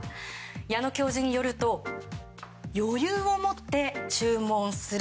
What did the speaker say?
矢野教授によると余裕をもって注文する。